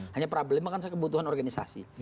hanya problemnya kan kebutuhan organisasi